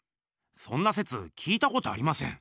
そんなせつ聞いたことありません。